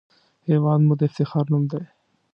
هېواد مو د افتخار نوم دی